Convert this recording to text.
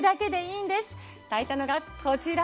炊いたのがこちら。